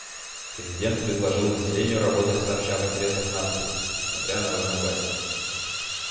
Президент предложил населению работать сообща в интересах нации, несмотря на разногласия.